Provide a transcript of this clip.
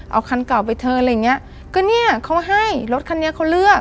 เอาคันเก่าไปเทิร์นอะไรอย่างเงี้ยก็เนี้ยเขาให้รถคันนี้เขาเลือก